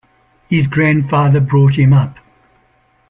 His grandfather brought him up.